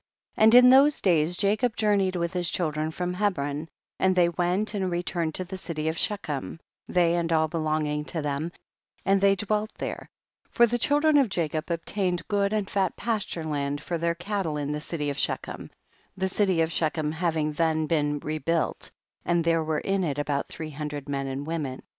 2. And in those days Jacob jour neyed with his children from Hebron, and they went and returned to the city of IShechem, they and all belong ing to them, and they dwelt there, for the children of Jacob obtained good and fat pasture land for their cattle in the city of Shechem, the city of Shechem having then been rebuilt, and there were in it about three hundred men and women.